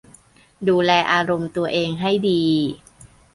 ดูแลอารมณ์ตัวเองให้ดี